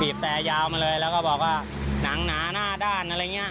แต่ยาวมาเลยแล้วก็บอกว่าหนังหนาหน้าด้านอะไรอย่างนี้